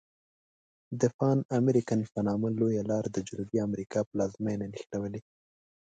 د پان امریکن په نامه لویه لار د جنوبي امریکا پلازمیني نښلولي.